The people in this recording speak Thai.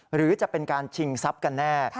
หรือจะเป็นการชิงทรัพย์กันแน่